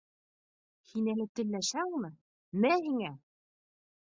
— Һин әле телләшәңме? Мә һиңә!